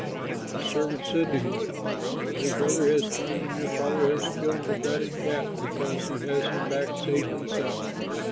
The servant said to him, 'Your brother has come, and your father has killed the fatted calf because he has him back safe and sound.'